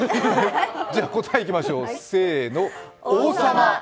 じゃあ、答えいきましょう。